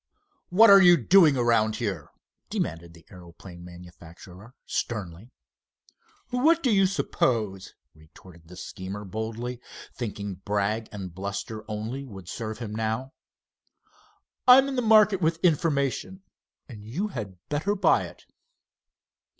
"What are you doing around here?" demanded the aeroplane manufacturer, sternly. "What do you suppose?" retorted the schemer boldly, thinking brag and bluster only would serve him now. "I'm in the market with information, and you had better buy it."